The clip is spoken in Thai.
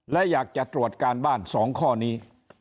และอยากจะตรวจการบ้าน๒ข้อนี้